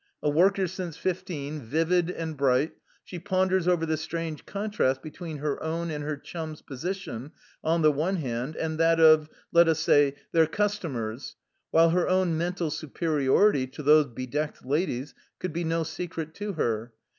A worker since fifteen, vivid and bright, she ponders over the strange contrast between her own and her chums' position on the one hand, and that of, let us say, their customers, while her own mental superiority to those be decked ladies could be no secret to her.